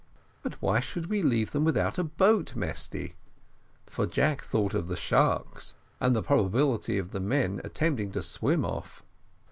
"But why should we leave them without a boat, Mesty?" for Jack thought of the sharks, and the probability of the men attempting to swim off.